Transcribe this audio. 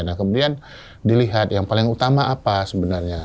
nah kemudian dilihat yang paling utama apa sebenarnya